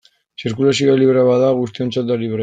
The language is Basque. Zirkulazioa librea bada, guztiontzat da librea.